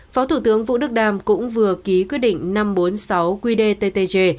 phó thủ tướng vũ đức đam cũng vừa ký quyết định năm trăm bốn mươi sáu qdttg